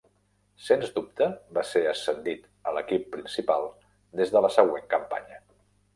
Sens dubte va ser ascendit a l"equip principal des de la següent campanya.